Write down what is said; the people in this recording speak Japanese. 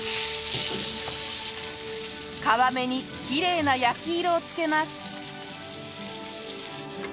皮目にきれいな焼き色をつけます。